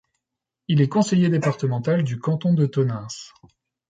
Il est conseiller départemental du canton de Tonneins.